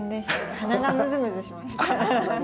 鼻がむずむずしました。